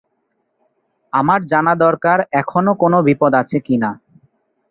আমার জানা দরকার এখনো কোনো বিপদ আছে কিনা।